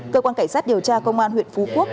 cơ quan cảnh sát điều tra công an huyện phú quốc